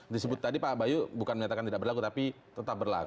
disebut tadi pak bayu bukan menyatakan tidak berlaku tapi tetap berlaku